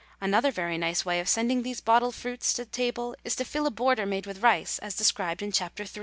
Another very nice way of sending these bottled fruits to table is to fill a border made with rice, as described in Chapter III.